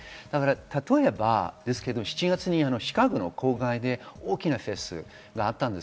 例えばですが、７月にシカゴの郊外で大きなフェスがあったんです。